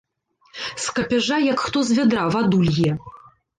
З капяжа як хто з вядра ваду лье.